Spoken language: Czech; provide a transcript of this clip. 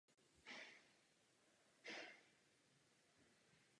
Děkuji úřadujícímu předsedovi Rady za další výzvu.